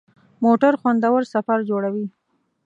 موټر خوندور سفر جوړوي.